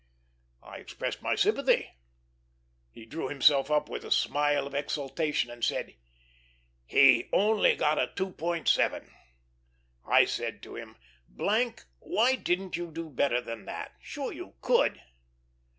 I expressed my sympathy. He drew himself up with a smile of exultation, and said: "He only got a 2.7. I said to him, ', why didn't you do better than that? sure you could.'